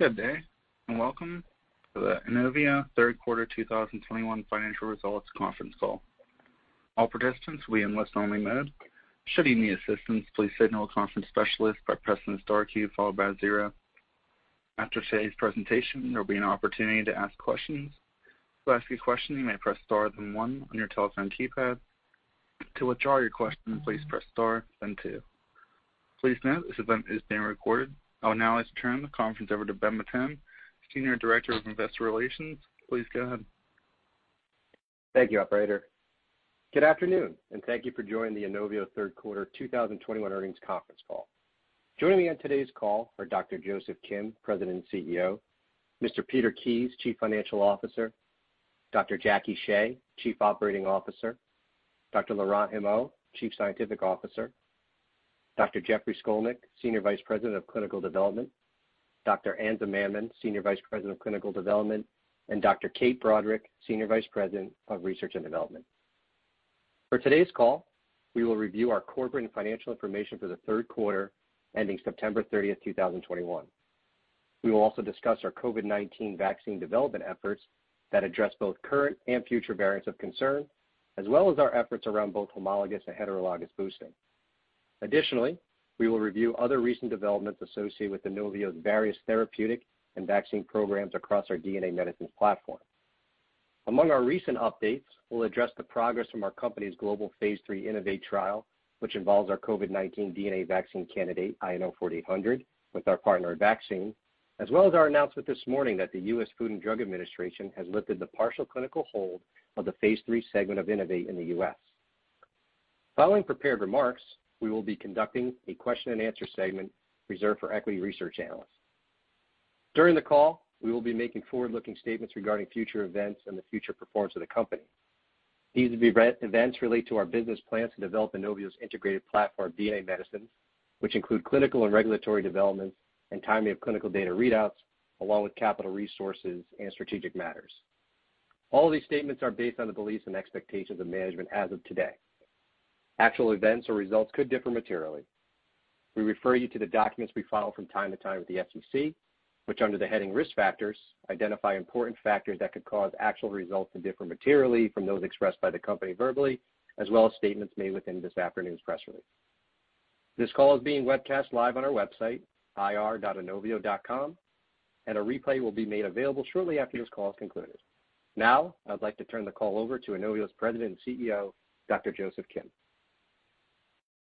Good day, and welcome to the INOVIO third quarter 2021 financial results conference call. All participants will be in listen only mode. Should you need assistance, please signal a conference specialist by pressing star key followed by zero. After today's presentation, there'll be an opportunity to ask questions. To ask a question, you may press star then one on your telephone keypad. To withdraw your question, please press star then two. Please note, this event is being recorded. I would now like to turn the conference over to Ben Matone, Senior Director of Investor Relations. Please go ahead. Thank you, operator. Good afternoon, and thank you for joining the INOVIO third quarter 2021 earnings conference call. Joining me on today's call are Dr. Joseph Kim, President and CEO, Mr. Peter Kies, Chief Financial Officer, Dr. Jacqueline Shea, Chief Operating Officer, Dr. Laurent Humeau, Chief Scientific Officer, Dr. Jeffrey Skolnik, Senior Vice President of Clinical Development, Dr. Anza Mammen, Senior Vice President of Clinical Development, and Dr. Kate Broderick, Senior Vice President of Research and Development. For today's call, we will review our corporate and financial information for the third quarter ending September 30th, 2021. We will also discuss our COVID-19 vaccine development efforts that address both current and future variants of concern, as well as our efforts around both homologous and heterologous boosting. Additionally, we will review other recent developments associated with INOVIO's various therapeutic and vaccine programs across our DNA medicines platform. Among our recent updates, we'll address the progress from our company's global phase III INNOVATE trial, which involves our COVID-19 DNA vaccine candidate, INO-4800, with our partner Advaccine, as well as our announcement this morning that the U.S. Food and Drug Administration has lifted the partial clinical hold of the phase III segment of INNOVATE in the U.S. Following prepared remarks, we will be conducting a question and answer segment reserved for equity research analysts. During the call, we will be making forward-looking statements regarding future events and the future performance of the company. These events relate to our business plans to develop INOVIO's integrated platform DNA medicines, which include clinical and regulatory developments and timing of clinical data readouts, along with capital resources and strategic matters. All of these statements are based on the beliefs and expectations of management as of today. Actual events or results could differ materially. We refer you to the documents we file from time to time with the SEC, which under the heading Risk Factors, identify important factors that could cause actual results to differ materially from those expressed by the company verbally, as well as statements made within this afternoon's press release. This call is being webcast live on our website, ir.INOVIO.com, and a replay will be made available shortly after this call is concluded. Now, I'd like to turn the call over to INOVIO's President and CEO, Dr. Joseph Kim.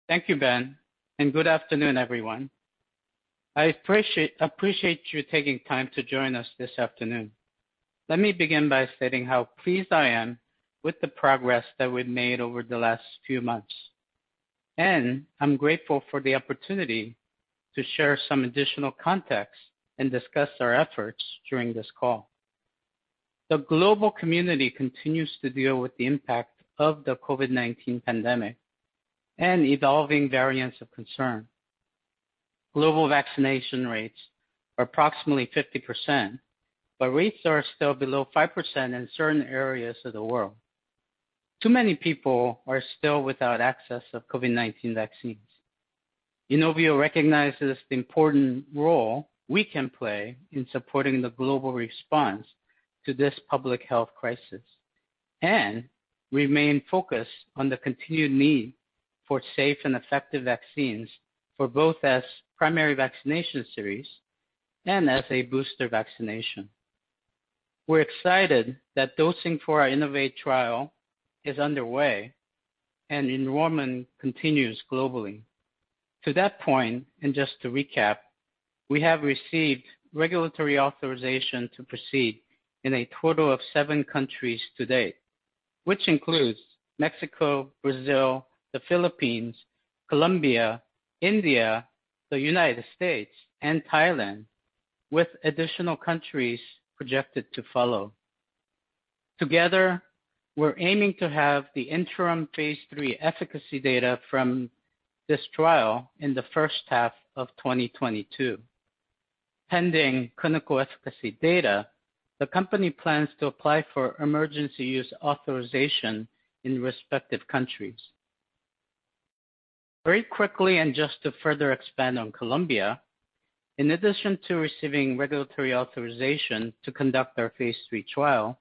Thank you, Ben, and good afternoon, everyone. I appreciate you taking time to join us this afternoon. Let me begin by stating how pleased I am with the progress that we've made over the last few months, and I'm grateful for the opportunity to share some additional context and discuss our efforts during this call. The global community continues to deal with the impact of the COVID-19 pandemic and evolving variants of concern. Global vaccination rates are approximately 50%, but rates are still below 5% in certain areas of the world. Too many people are still without access to COVID-19 vaccines. INOVIO recognizes the important role we can play in supporting the global response to this public health crisis and remain focused on the continued need for safe and effective vaccines for both as primary vaccination series and as a booster vaccination. We're excited that dosing for our INNOVATE trial is underway and enrollment continues globally. To that point, and just to recap, we have received regulatory authorization to proceed in a total of seven countries to date, which includes Mexico, Brazil, the Philippines, Colombia, India, the United States, and Thailand, with additional countries projected to follow. Together, we're aiming to have the interim phase III efficacy data from this trial in the first half of 2022. Pending clinical efficacy data, the company plans to apply for emergency use authorization in respective countries. Very quickly, just to further expand on Colombia, in addition to receiving regulatory authorization to conduct our phase III trial,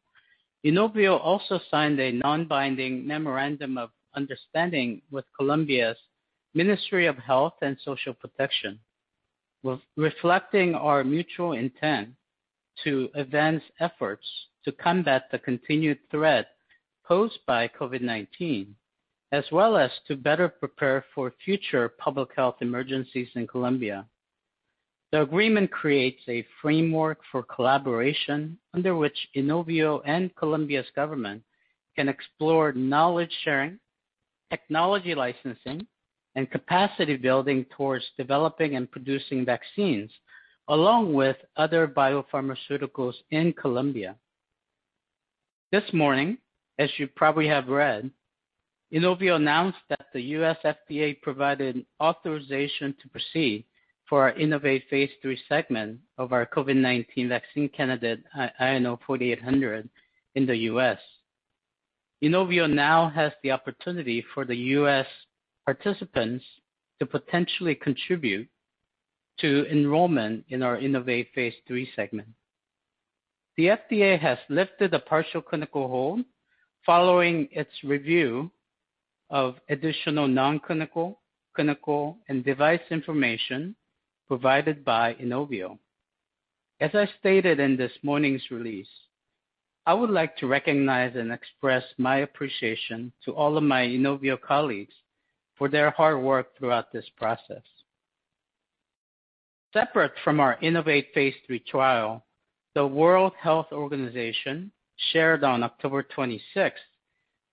INOVIO also signed a non-binding memorandum of understanding with Colombia's Ministry of Health and Social Protection, reflecting our mutual intent to advance efforts to combat the continued threat posed by COVID-19, as well as to better prepare for future public health emergencies in Colombia. The agreement creates a framework for collaboration under which INOVIO and Colombia's government can explore knowledge sharing, technology licensing, and capacity building towards developing and producing vaccines, along with other biopharmaceuticals in Colombia. This morning, as you probably have read, INOVIO announced that the U.S. FDA provided authorization to proceed for our INNOVATE phase III segment of our COVID-19 vaccine candidate, INO-4800, in the U.S. INOVIO now has the opportunity for the U.S. participants to potentially contribute to enrollment in our INNOVATE phase III segment. The FDA has lifted a partial clinical hold following its review of additional non-clinical, clinical, and device information provided by INOVIO. As I stated in this morning's release, I would like to recognize and express my appreciation to all of my INOVIO colleagues for their hard work throughout this process. Separate from our INNOVATE phase III trial, the World Health Organization shared on October 26th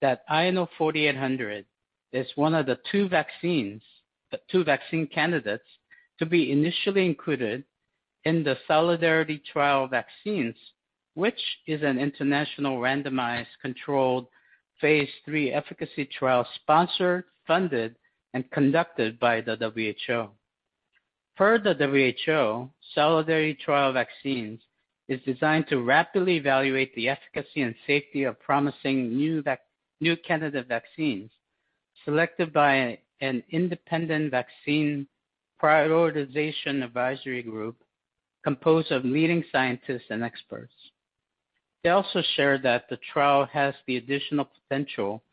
that INO-4800 is one of the two vaccine candidates to be initially included in the Solidarity Trial Vaccines, which is an international randomized controlled phase III efficacy trial sponsored, funded, and conducted by the WHO. Per the WHO, Solidarity Trial Vaccines is designed to rapidly evaluate the efficacy and safety of promising new candidate vaccines selected by an independent vaccine prioritization advisory group composed of leading scientists and experts. They also shared that the trial has the additional potential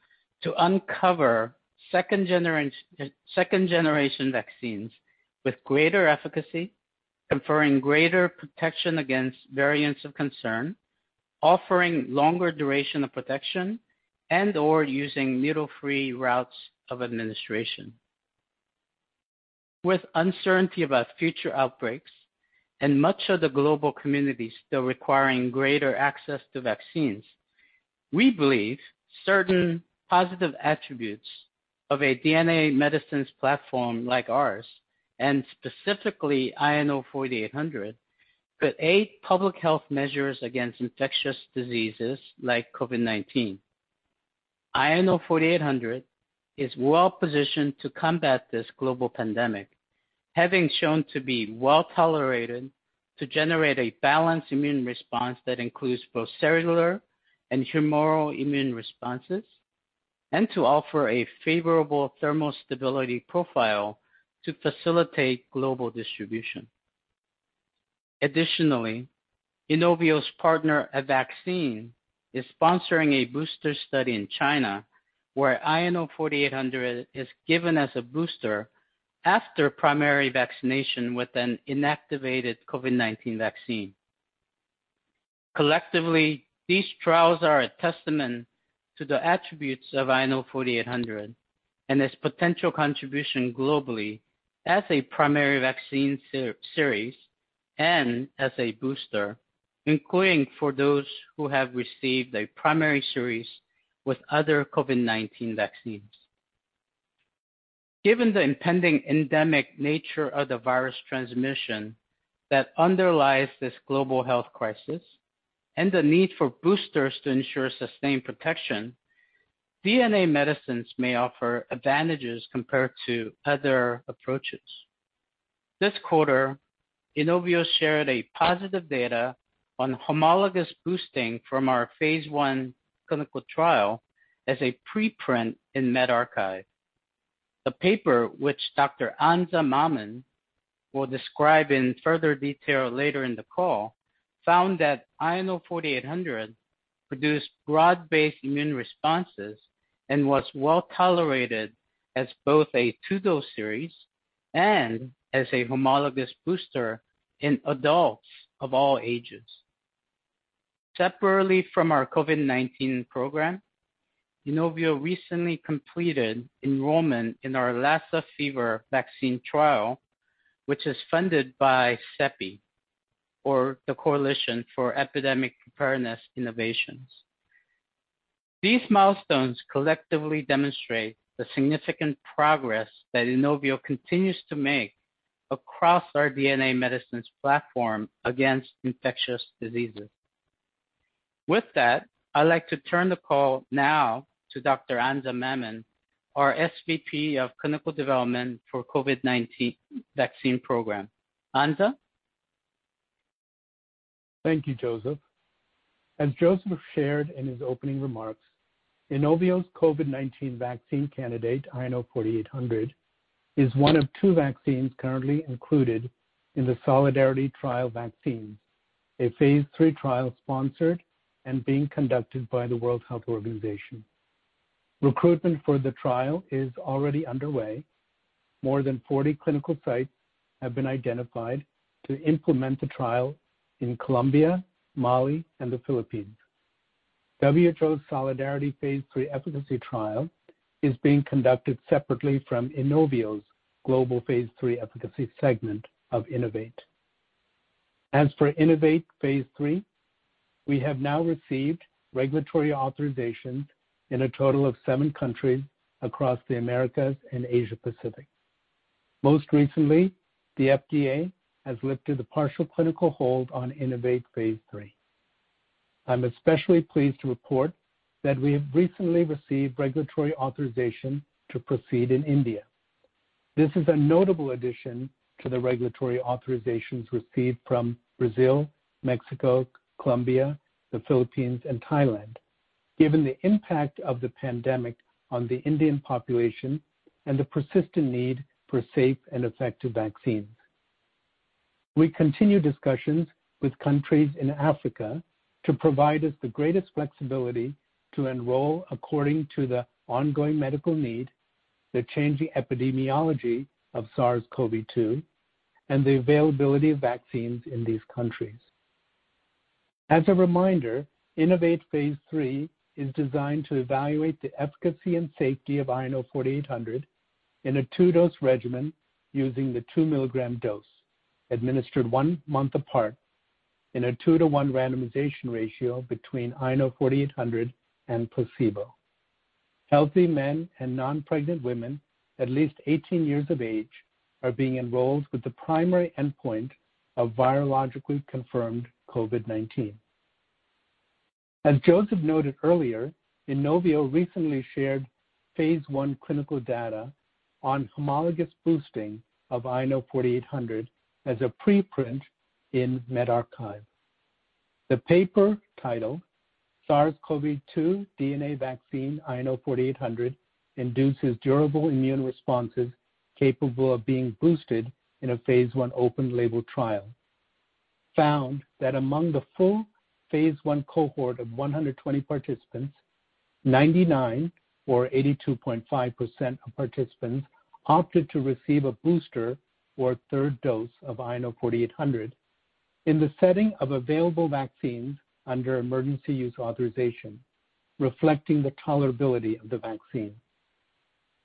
to uncover second-generation vaccines with greater efficacy, conferring greater protection against variants of concern, offering longer duration of protection, and/or using needle-free routes of administration. With uncertainty about future outbreaks and much of the global community still requiring greater access to vaccines, we believe certain positive attributes of a DNA medicines platform like ours, and specifically INO-4800, could aid public health measures against infectious diseases like COVID-19. INO-4800 is well-positioned to combat this global pandemic, having shown to be well-tolerated to generate a balanced immune response that includes both cellular and humoral immune responses, and to offer a favorable thermal stability profile to facilitate global distribution. Additionally, INOVIO's partner, Advaccine, is sponsoring a booster study in China, where INO-4800 is given as a booster after primary vaccination with an inactivated COVID-19 vaccine. Collectively, these trials are a testament to the attributes of INO-4800 and its potential contribution globally as a primary vaccine series and as a booster, including for those who have received a primary series with other COVID-19 vaccines. Given the impending endemic nature of the virus transmission that underlies this global health crisis and the need for boosters to ensure sustained protection, DNA medicines may offer advantages compared to other approaches. This quarter, INOVIO shared positive data on homologous boosting from our phase I clinical trial as a preprint in medRxiv. The paper, which Dr. Anza Mammen will describe in further detail later in the call, found that INO-4800 produced broad-based immune responses and was well-tolerated as both a two-dose series and as a homologous booster in adults of all ages. Separately from our COVID-19 program, INOVIO recently completed enrollment in our Lassa Fever vaccine trial, which is funded by CEPI, or the Coalition for Epidemic Preparedness Innovations. These milestones collectively demonstrate the significant progress that INOVIO continues to make across our DNA medicines platform against infectious diseases. With that, I'd like to turn the call now to Dr. Anza Mammen, our SVP of Clinical Development for COVID-19 Vaccine Program. Anza? Thank you, Joseph. As Joseph shared in his opening remarks, INOVIO's COVID-19 vaccine candidate, INO-4800, is one of two vaccines currently included in the Solidarity Trial Vaccines, a phase III trial sponsored and being conducted by the World Health Organization. Recruitment for the trial is already underway. More than 40 clinical sites have been identified to implement the trial in Colombia, Mali, and the Philippines. WHO's Solidarity phase III efficacy trial is being conducted separately from INOVIO's global phase III efficacy segment of INNOVATE. As for INNOVATE phase III, we have now received regulatory authorizations in a total of seven countries across the Americas and Asia Pacific. Most recently, the FDA has lifted the partial clinical hold on INNOVATE phase III. I'm especially pleased to report that we have recently received regulatory authorization to proceed in India. This is a notable addition to the regulatory authorizations received from Brazil, Mexico, Colombia, the Philippines, and Thailand, given the impact of the pandemic on the Indian population and the persistent need for safe and effective vaccines. We continue discussions with countries in Africa to provide us the greatest flexibility to enroll according to the ongoing medical need, the changing epidemiology of SARS-CoV-2, and the availability of vaccines in these countries. As a reminder, INNOVATE phase III is designed to evaluate the efficacy and safety of INO-4800 in a 2-dose regimen using the 2-milligram dose administered 1 month apart in a 2-to-1 randomization ratio between INO-4800 and placebo. Healthy men and non-pregnant women at least 18 years of age are being enrolled with the primary endpoint of virologically confirmed COVID-19. As Joseph noted earlier, INOVIO recently shared phase I clinical data on homologous boosting of INO-4800 as a preprint in medRxiv. The paper titled SARS-CoV-2 DNA Vaccine INO-4800 Induces Durable Immune Responses Capable of Being Boosted in a phase I Open-Label Trial, found that among the full phase I cohort of 120 participants, 99 or 82.5% of participants opted to receive a booster or a third dose of INO-4800 in the setting of available vaccines under emergency use authorization, reflecting the tolerability of the vaccine.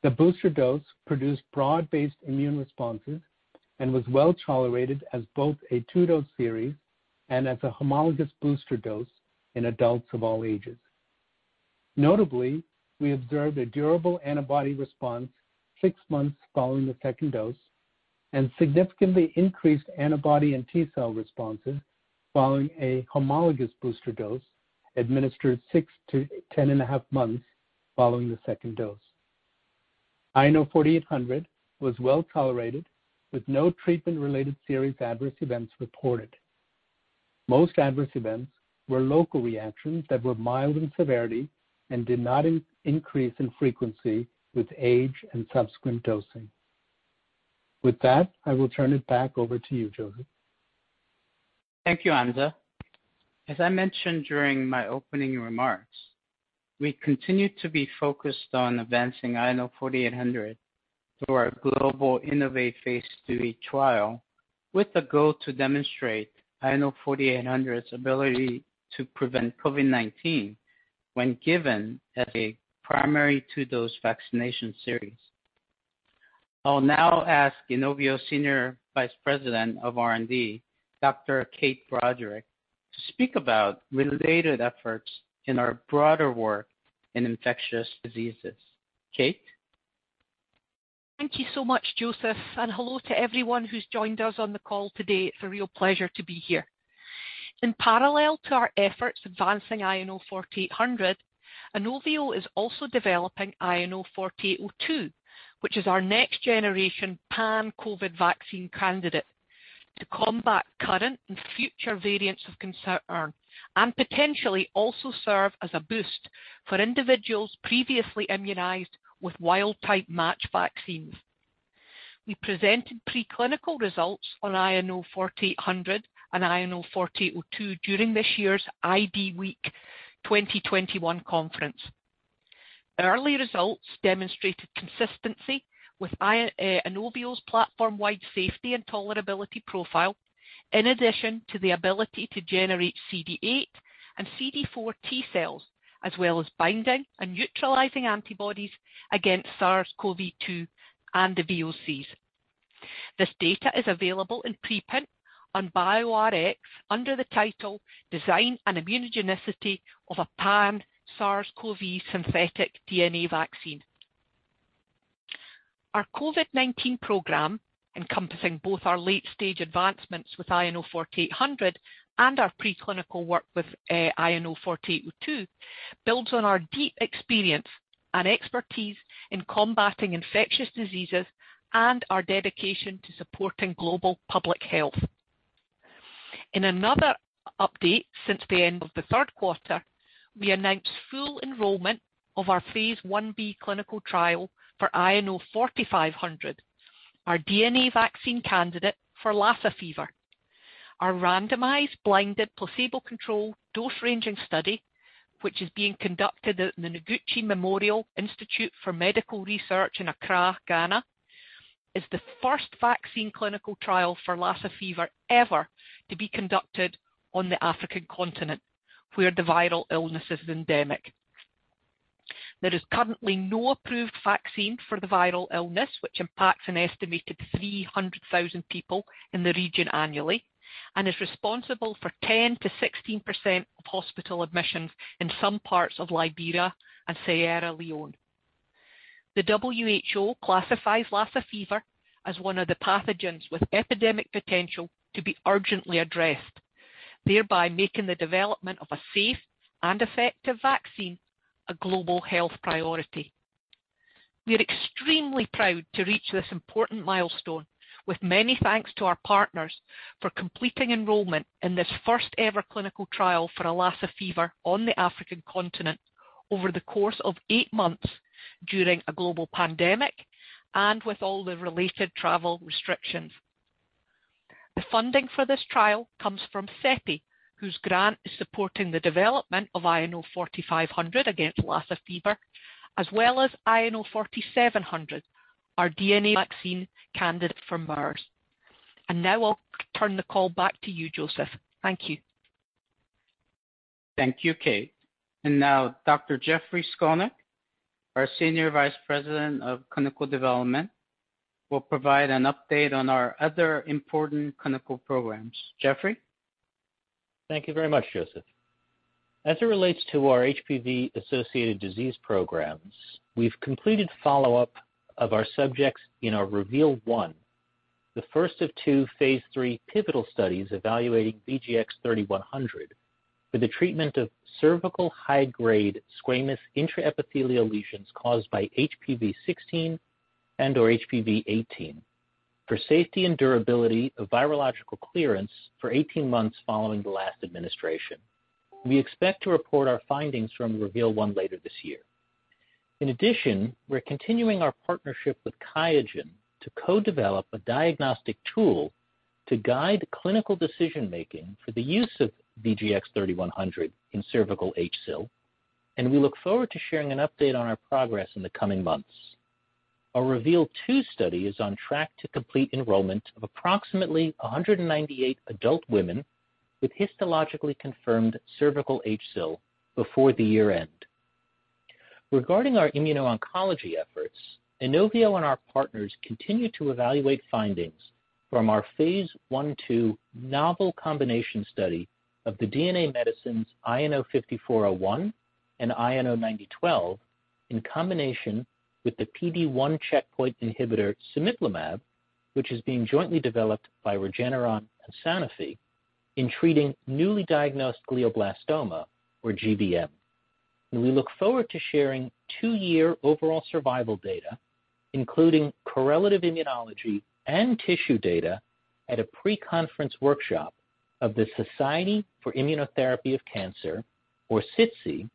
The booster dose produced broad-based immune responses and was well-tolerated as both a two-dose series and as a homologous booster dose in adults of all ages. Notably, we observed a durable antibody response 6 months following the second dose and significantly increased antibody and T cell responses following a homologous booster dose administered 6 months to 10.5 months following the second dose. INO-4800 was well-tolerated with no treatment-related serious adverse events reported. Most adverse events were local reactions that were mild in severity and did not increase in frequency with age and subsequent dosing. With that, I will turn it back over to you, Joseph. Thank you, Anza. As I mentioned during my opening remarks, we continue to be focused on advancing INO-4800 through our global INNOVATE phase III trial with the goal to demonstrate INO-4800's ability to prevent COVID-19 when given as a primary two-dose vaccination series. I'll now ask INOVIO Senior Vice President of R&D, Dr. Kate Broderick, to speak about related efforts in our broader work in infectious diseases. Kate. Thank you so much, Joseph, and hello to everyone who's joined us on the call today. It's a real pleasure to be here. In parallel to our efforts advancing INO-4800, INOVIO is also developing INO-4802, which is our next-generation pan-COVID vaccine candidate, to combat current and future variants of concern and potentially also serve as a boost for individuals previously immunized with wild type match vaccines. We presented preclinical results on INO-4800 and INO-4802 during this year's IDWeek 2021 conference. Early results demonstrated consistency with INOVIO's platform-wide safety and tolerability profile, in addition to the ability to generate CD8 and CD4 T cells, as well as binding and neutralizing antibodies against SARS-CoV-2 and the VOCs. This data is available in preprint on bioRxiv under the title Design and Immunogenicity of a Pan SARS-CoV synthetic DNA vaccine. Our COVID-19 program, encompassing both our late-stage advancements with INO-4800 and our preclinical work with INO-4802, builds on our deep experience and expertise in combating infectious diseases and our dedication to supporting global public health. In another update since the end of the third quarter, we announced full enrollment of our phase I-B clinical trial for INO-4500, our DNA vaccine candidate for Lassa Fever. Our randomized, blinded, placebo-controlled dose-ranging study, which is being conducted at the Noguchi Memorial Institute for Medical Research in Accra, Ghana, is the first vaccine clinical trial for Lassa Fever ever to be conducted on the African continent, where the viral illness is endemic. There is currently no approved vaccine for the viral illness, which impacts an estimated 300,000 people in the region annually and is responsible for 10%-16% of hospital admissions in some parts of Liberia and Sierra Leone. The WHO classifies Lassa fever as one of the pathogens with epidemic potential to be urgently addressed, thereby making the development of a safe and effective vaccine a global health priority. We are extremely proud to reach this important milestone with many thanks to our partners for completing enrollment in this first-ever clinical trial for Lassa fever on the African continent over the course of eight months during a global pandemic and with all the related travel restrictions. The funding for this trial comes from CEPI, whose grant is supporting the development of INO-4500 against Lassa fever, as well as INO-4700, our DNA vaccine candidate for MERS. Now I'll turn the call back to you, Joseph. Thank you. Thank you, Kate. Now Dr. Jeffrey Skolnik, our Senior Vice President of Clinical Development, will provide an update on our other important clinical programs. Jeffrey? Thank you very much, Joseph. As it relates to our HPV-associated disease programs, we've completed follow-up of our subjects in our REVEAL 1, the first of two phase III pivotal studies evaluating VGX-3100 for the treatment of cervical high-grade squamous intraepithelial lesions caused by HPV-16 and/or HPV-18 for safety and durability of virological clearance for 18 months following the last administration. We expect to report our findings from REVEAL 1 later this year. In addition, we're continuing our partnership with QIAGEN to co-develop a diagnostic tool to guide clinical decision-making for the use of VGX-3100 in cervical HSIL, and we look forward to sharing an update on our progress in the coming months. Our REVEAL 2 study is on track to complete enrollment of approximately 198 adult women with histologically confirmed cervical HSIL before the year-end. Regarding our immuno-oncology efforts, INOVIO and our partners continue to evaluate findings from our phase I/II novel combination study of the DNA medicines INO-5401 and INO-9012, in combination with the PD-1 checkpoint inhibitor cemiplimab, which is being jointly developed by Regeneron and Sanofi in treating newly diagnosed glioblastoma or GBM. We look forward to sharing 2-year overall survival data, including correlative immunology and tissue data at a pre-conference workshop of the Society for Immunotherapy of Cancer, or SITC,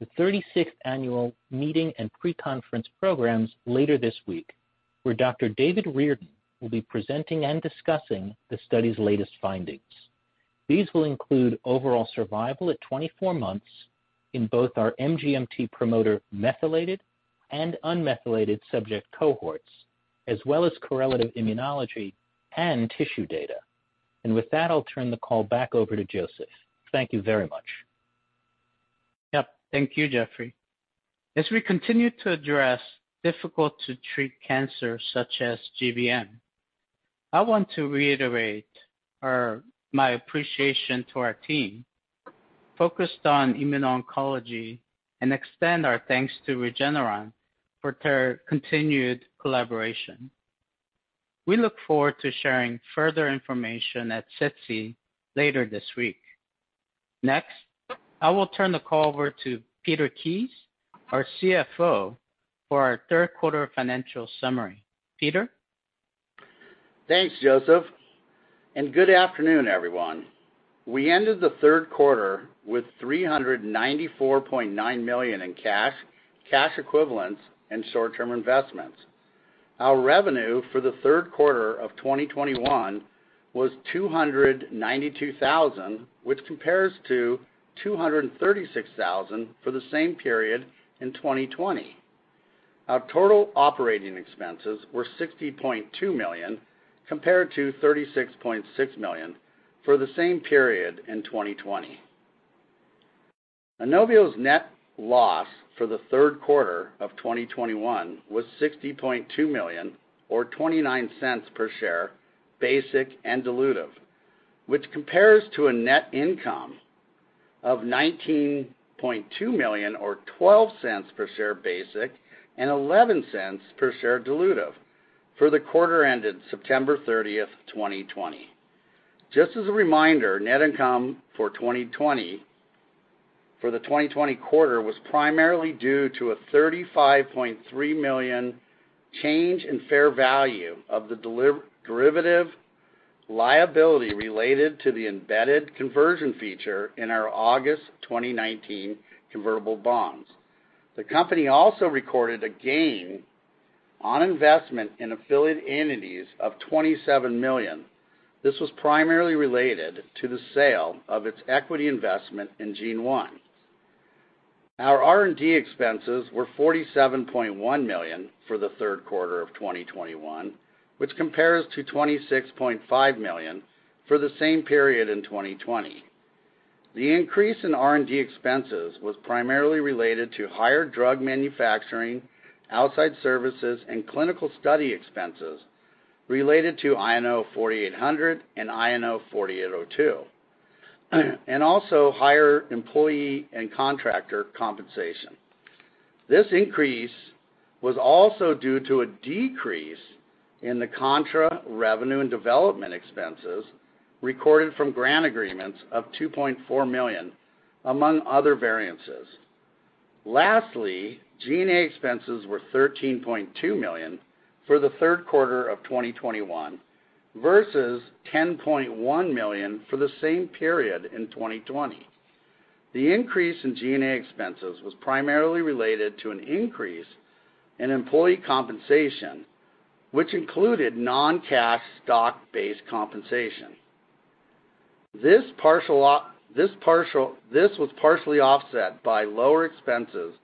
the 36th annual meeting and pre-conference programs later this week, where Dr. David Reardon will be presenting and discussing the study's latest findings. These will include overall survival at 24 months in both our MGMT promoter methylated and unmethylated subject cohorts, as well as correlative immunology and tissue data. With that, I'll turn the call back over to Joseph. Thank you very much. Yep. Thank you, Jeffrey. As we continue to address difficult-to-treat cancer such as GBM, I want to reiterate my appreciation to our team focused on immuno-oncology and extend our thanks to Regeneron for their continued collaboration. We look forward to sharing further information at SITC later this week. Next, I will turn the call over to Peter Kies, our CFO, for our third quarter financial summary. Peter? Thanks, Joseph, and good afternoon, everyone. We ended the third quarter with $394.9 million in cash equivalents, and short-term investments. Our revenue for the third quarter of 2021 was $292,000, which compares to $236,000 for the same period in 2020. Our total operating expenses were $60 million compared to $36.6 million for the same period in 2020. INOVIO's net loss for the third quarter of 2021 was $60.2 million or $0.29 per share basic and diluted, which compares to a net income of $19.2 million or $0.12 per share basic and $0.11 per share diluted for the quarter ended September 30th, 2020. Just as a reminder, net income for the 2020 quarter was primarily due to a $35.3 million change in fair value of the derivative liability related to the embedded conversion feature in our August 2019 convertible bonds. The company also recorded a gain on investment in affiliate entities of $27 million. This was primarily related to the sale of its equity investment in GeneOne. Our R&D expenses were $47.1 million for the third quarter of 2021, which compares to $26.5 million for the same period in 2020. The increase in R&D expenses was primarily related to higher drug manufacturing, outside services, and clinical study expenses related to INO-4800 and INO-4802 and also higher employee and contractor compensation. This increase was also due to a decrease in the contra revenue and development expenses recorded from grant agreements of $2.4 million, among other variances. Lastly, G&A expenses were $13.2 million for the third quarter of 2021 versus $10.1 million for the same period in 2020. The increase in G&A expenses was primarily related to an increase in employee compensation, which included non-cash stock-based compensation. This was partially offset by lower expenses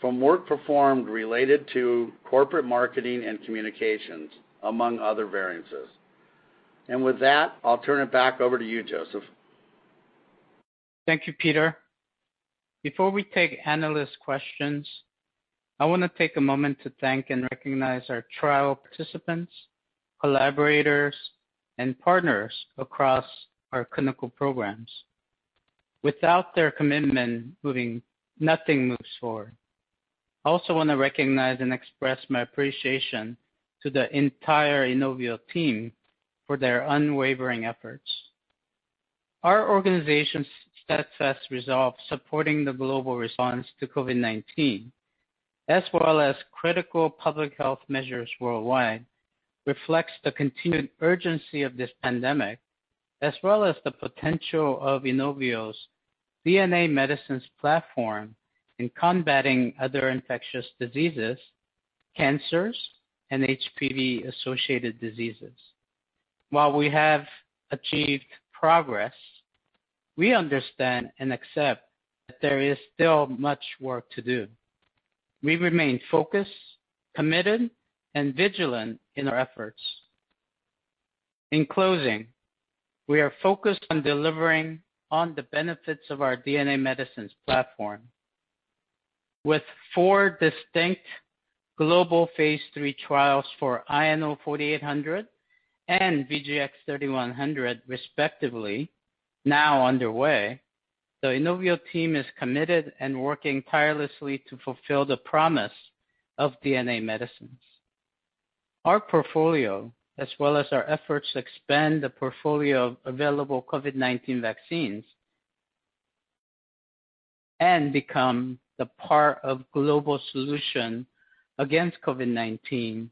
from work performed related to corporate marketing and communications, among other variances. With that, I'll turn it back over to you, Joseph. Thank you, Peter. Before we take analyst questions, I want to take a moment to thank and recognize our trial participants, collaborators, and partners across our clinical programs. Without their commitment, nothing moves forward. I also want to recognize and express my appreciation to the entire INOVIO team for their unwavering efforts. Our organization's steadfast resolve supporting the global response to COVID-19, as well as critical public health measures worldwide, reflects the continued urgency of this pandemic, as well as the potential of INOVIO's DNA medicines platform in combating other infectious diseases, cancers, and HPV-associated diseases. While we have achieved progress, we understand and accept that there is still much work to do. We remain focused, committed, and vigilant in our efforts. In closing, we are focused on delivering on the benefits of our DNA medicines platform. With four distinct global phase III trials for INO-4800 and VGX-3100 respectively now underway, the INOVIO team is committed and working tirelessly to fulfill the promise of DNA medicines. Our portfolio, as well as our efforts to expand the portfolio of available COVID-19 vaccines and become a part of the global solution against COVID-19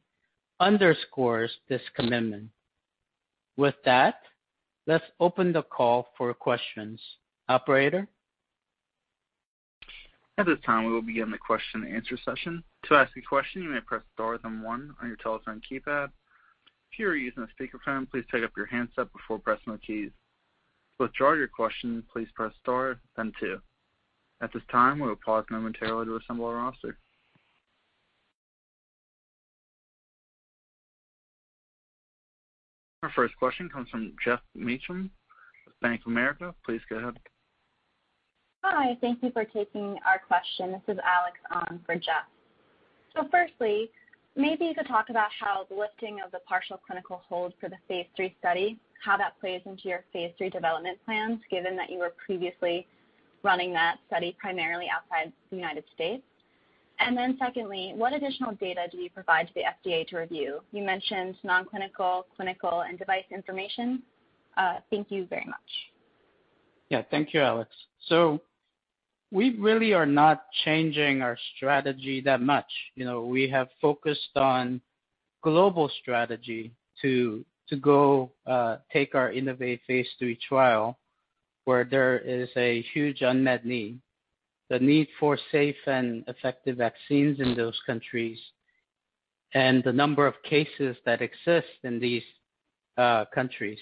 underscores this commitment. With that, let's open the call for questions. Operator? At this time, we will begin the question-and-answer session. To ask a question, you may press star then one on your telephone keypad. If you are using a speakerphone, please take up your handset before pressing the keys. To withdraw your question, please press star then two. At this time, we'll pause momentarily to assemble our roster. Our first question comes from Geoff Meacham with Bank of America. Please go ahead. Hi. Thank you for taking our question. This is Alex on for Geoff. Firstly, maybe you could talk about how the lifting of the partial clinical hold for the phase III study, how that plays into your phase III development plans, given that you were previously running that study primarily outside the United States. Secondly, what additional data do you provide to the FDA to review? You mentioned non-clinical, clinical, and device information. Thank you very much. Yeah. Thank you, Alex. We really are not changing our strategy that much. You know, we have focused on global strategy to go take our INNOVATE phase III trial where there is a huge unmet need, the need for safe and effective vaccines in those countries and the number of cases that exist in these countries.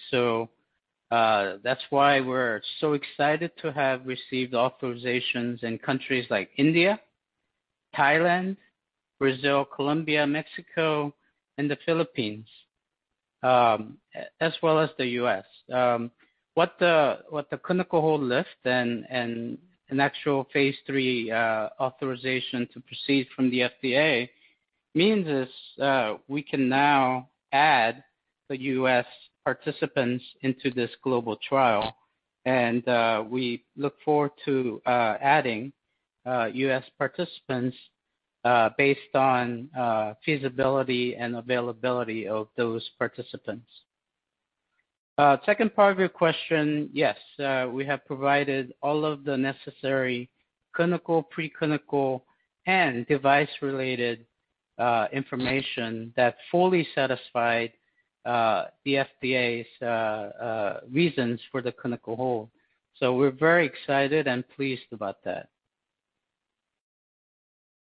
That's why we're so excited to have received authorizations in countries like India, Thailand, Brazil, Colombia, Mexico, and the Philippines, as well as the U.S. What the clinical hold lift and an actual phase III authorization to proceed from the FDA means is we can now add the U.S. participants into this global trial, and we look forward to adding U.S. participants based on feasibility and availability of those participants. Second part of your question, yes, we have provided all of the necessary clinical, preclinical, and device-related information that fully satisfied the FDA's reasons for the clinical hold. We're very excited and pleased about that.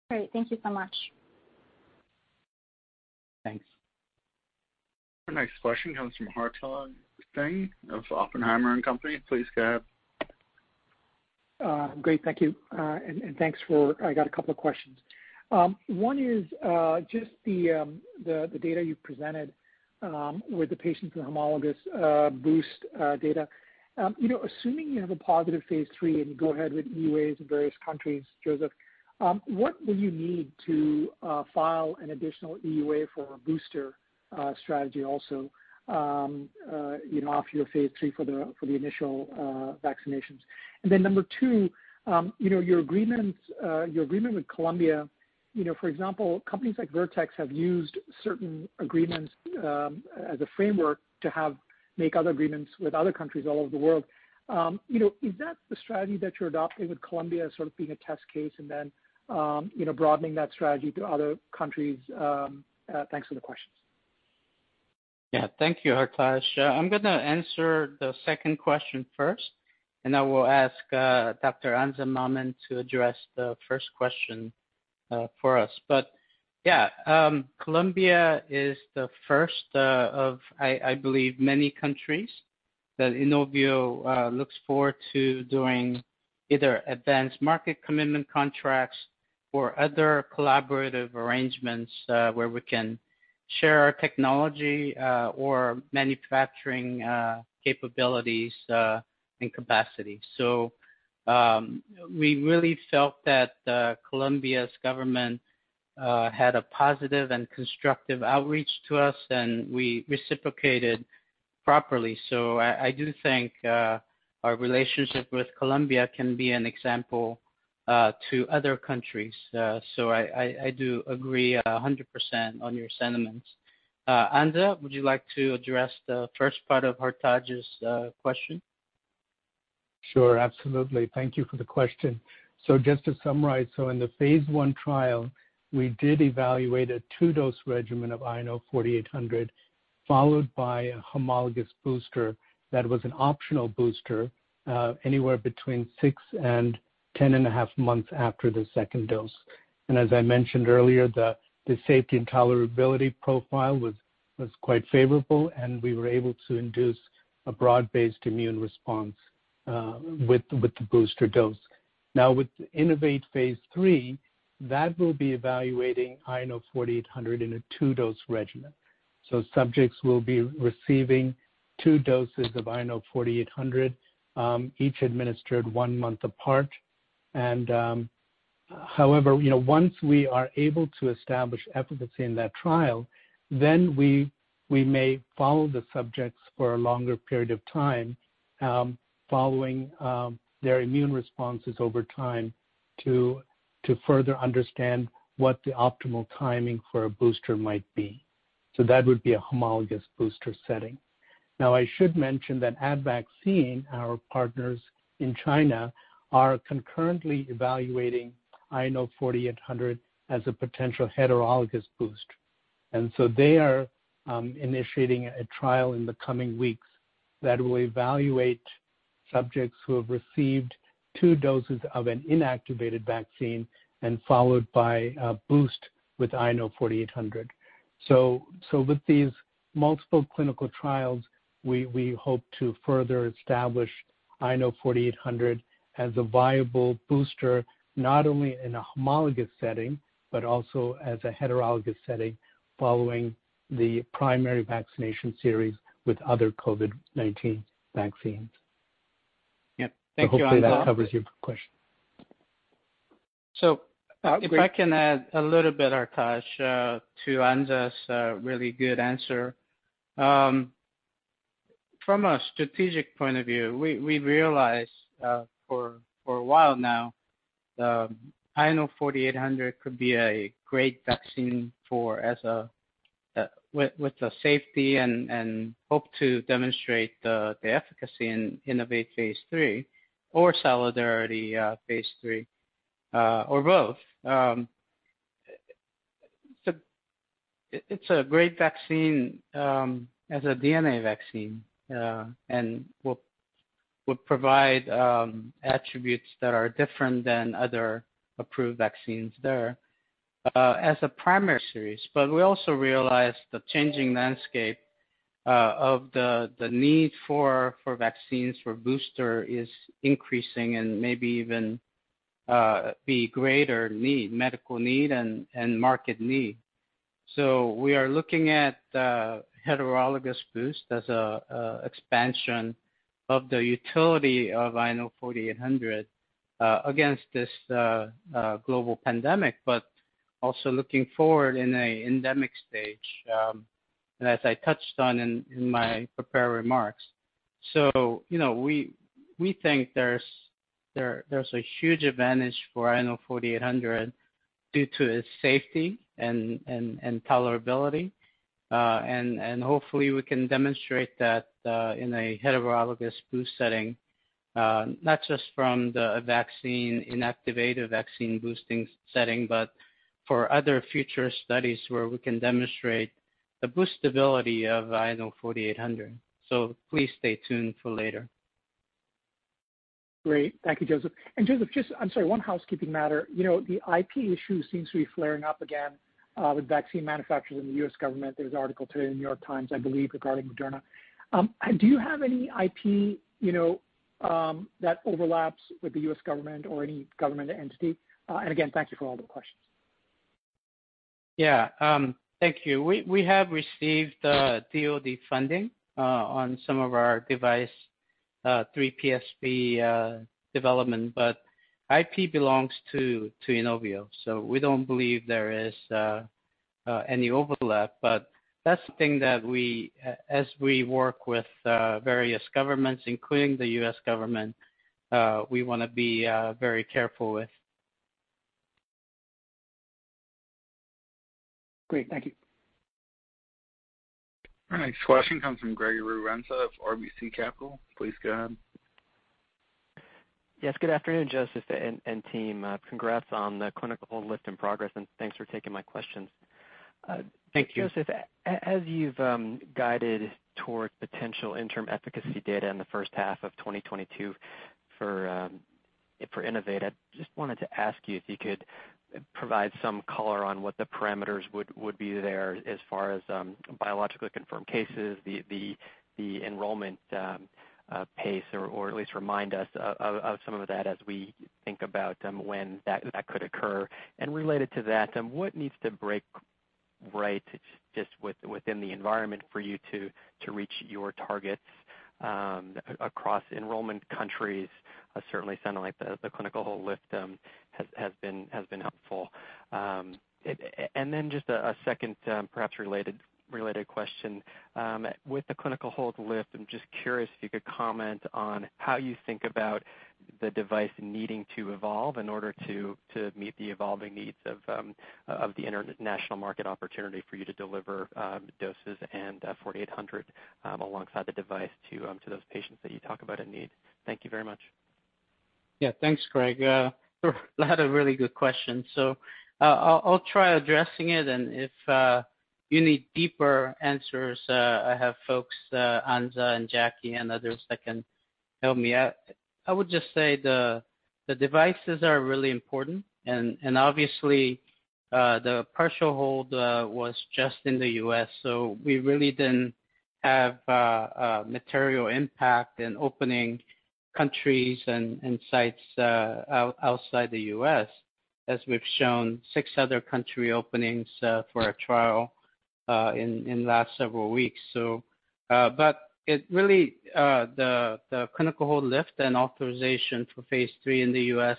Great. Thank you so much. Thanks. Our next question comes from Hartaj Singh of Oppenheimer & Company. Please go ahead. Great. Thank you and thanks. I got a couple of questions. One is just the data you presented with the patients with homologous boost data. You know, assuming you have a positive phase III and go ahead with EUAs in various countries, Joseph, what will you need to file an additional EUA for a booster strategy also, you know, off your phase III for the initial vaccinations? Number two, you know, your agreements, your agreement with Colombia, you know, for example, companies like Vertex have used certain agreements as a framework to have made other agreements with other countries all over the world. You know, is that the strategy that you're adopting with Colombia as sort of being a test case and then, you know, broadening that strategy to other countries? Thanks for the questions. Yeah. Thank you, Hartaj. I'm gonna answer the second question first, and I will ask Dr. Anza Mammen to address the first question for us. Yeah, Colombia is the first of, I believe, many countries that INOVIO looks forward to doing either advanced market commitment contracts or other collaborative arrangements where we can share our technology or manufacturing capabilities and capacity. We really felt that Colombia's government had a positive and constructive outreach to us, and we reciprocated properly. I do think our relationship with Colombia can be an example to other countries. I do agree 100% on your sentiments. Anza, would you like to address the first part of Hartaj's question? Sure, absolutely. Thank you for the question. Just to summarize, in the phase I trial, we did evaluate a 2-dose regimen of INO-4800, followed by a homologous booster that was an optional booster, anywhere between 6 months and 10.5 months after the second dose. As I mentioned earlier, the safety and tolerability profile was quite favorable, and we were able to induce a broad-based immune response with the booster dose. Now, with INNOVATE phase III, that will be evaluating INO-4800 in a 2-dose regimen. Subjects will be receiving two doses of INO-4800, each administered 1 month apart. However, you know, once we are able to establish efficacy in that trial, then we may follow the subjects for a longer period of time, following their immune responses over time to further understand what the optimal timing for a booster might be. That would be a homologous booster setting. Now, I should mention that Advaccine, our partners in China, are concurrently evaluating INO-4800 as a potential heterologous boost. They are initiating a trial in the coming weeks that will evaluate subjects who have received two doses of an inactivated vaccine and followed by a boost with INO-4800. With these multiple clinical trials, we hope to further establish INO-4800 as a viable booster, not only in a homologous setting, but also as a heterologous setting following the primary vaccination series with other COVID-19 vaccines. Yeah. Thank you, Anza. Hopefully that answers your question. If I can add a little bit, Hartaj, to Anza's really good answer. From a strategic point of view, we realized for a while now INO-4800 could be a great vaccine with the safety and hope to demonstrate the efficacy in INNOVATE phase III or Solidarity phase III or both. It's a great vaccine as a DNA vaccine and will provide attributes that are different than other approved vaccines there as a primary series. We also realize the changing landscape of the need for vaccines for booster is increasing and maybe even a greater medical need and market need. We are looking at heterologous boost as a expansion of the utility of INO-4800 against this global pandemic, but also looking forward in a endemic stage, and as I touched on in my prepared remarks. You know, we think there's a huge advantage for INO-4800 due to its safety and tolerability. Hopefully we can demonstrate that in a heterologous boost setting, not just from the vaccine, inactivated vaccine boosting setting, but for other future studies where we can demonstrate the boostability of INO-4800. Please stay tuned for later. Great. Thank you, Joseph. Joseph, I'm sorry, one housekeeping matter. You know, the IP issue seems to be flaring up again, with vaccine manufacturers and the U.S. government. There's an article today in New York Times, I believe, regarding Moderna. Do you have any IP, you know, that overlaps with the U.S. government or any government entity? Again, thank you for all the questions. Yeah. Thank you. We have received DOD funding on some of our device 3PSP development, but IP belongs to INOVIO. So we don't believe there is any overlap, but that's the thing that we as we work with various governments, including the U.S. government, we wanna be very careful with. Great. Thank you. Our next question comes from Gregory Renza of RBC Capital. Please go ahead. Yes, good afternoon, Joseph and team. Congrats on the clinical hold lift and progress, and thanks for taking my questions. Thank you. Joseph, as you've guided towards potential interim efficacy data in the first half of 2022 for INNOVATE, I just wanted to ask you if you could provide some color on what the parameters would be there as far as biologically confirmed cases, the enrollment pace, or at least remind us of some of that as we think about when that could occur. Related to that, what needs to break right just within the environment for you to reach your targets across enrollment countries? Certainly sounding like the clinical hold lift has been helpful. Then just a second, perhaps related question. With the clinical hold lift, I'm just curious if you could comment on how you think about the device needing to evolve in order to meet the evolving needs of the international market opportunity for you to deliver doses and 4800 alongside the device to those patients that you talk about in need. Thank you very much. Yeah. Thanks, Greg. A lot of really good questions. I'll try addressing it, and if you need deeper answers, I have folks, Anza and Jackie and others that can help me out. I would just say the devices are really important and obviously the partial hold was just in the U.S., so we really didn't have material impact in opening countries and sites outside the U.S., as we've shown six other country openings for our trial in last several weeks. But really, the clinical hold lift and authorization for phase III in the U.S.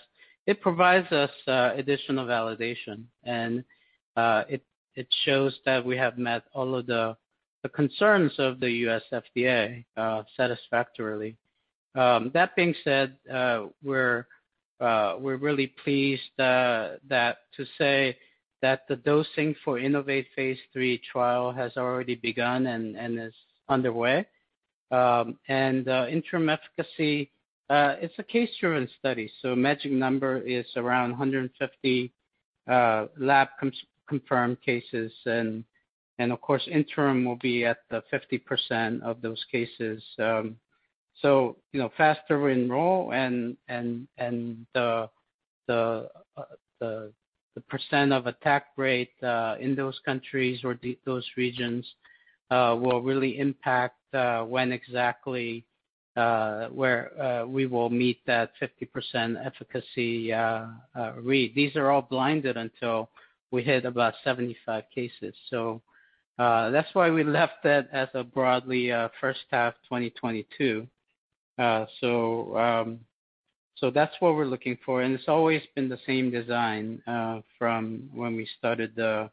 provides us additional validation. It shows that we have met all of the concerns of the U.S. FDA satisfactorily. That being said, we're really pleased to say that the dosing for INNOVATE phase III trial has already begun and is underway. Interim efficacy, it's a case-driven study, so magic number is around 150 lab-confirmed cases. Of course, interim will be at the 50% of those cases. You know, faster we enroll and the percent of attack rate in those countries or those regions will really impact when exactly we will meet that 50% efficacy read. These are all blinded until we hit about 75 cases. That's why we left that as broadly first half 2022. That's what we're looking for, and it's always been the same design from when we started the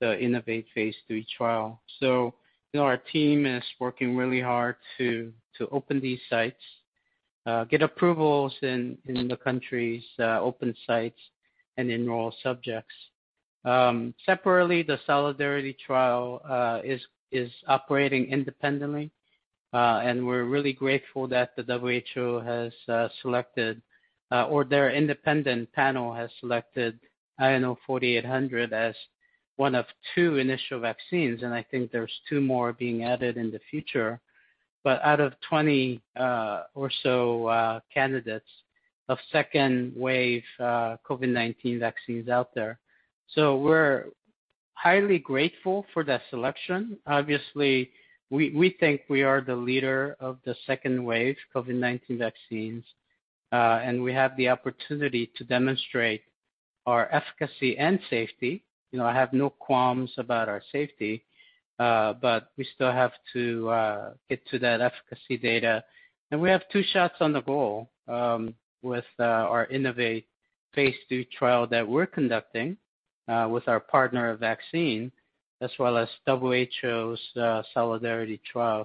INNOVATE phase III trial. You know, our team is working really hard to open these sites, get approvals in the countries, open sites and enroll subjects. Separately, the Solidarity Trial is operating independently, and we're really grateful that the WHO has selected or their independent panel has selected INO-4800 as one of two initial vaccines, and I think there's two more being added in the future, but out of 20 or so candidates of second wave COVID-19 vaccines out there. We're highly grateful for that selection. Obviously, we think we are the leader of the second wave COVID-19 vaccines, and we have the opportunity to demonstrate our efficacy and safety. You know, I have no qualms about our safety, but we still have to get to that efficacy data. We have two shots on the goal, with our INNOVATE phase II trial that we're conducting, with our partner Advaccine, as well as WHO's Solidarity trial.